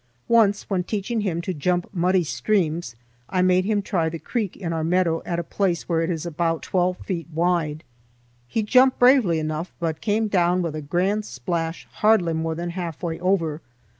Once, when teaching him to jump muddy streams, I made him try the creek in our meadow at a place where it is about twelve feet wide. He jumped bravely enough, but came down with a grand splash hardly more than halfway over.